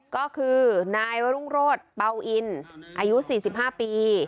ก็คือนายรุ่งโรธเบาอินอายุสี่สิบห้าปี